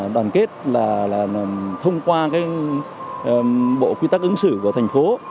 đoàn kết là thông qua bộ quy tắc ứng xử của thành phố